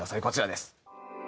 こちらです。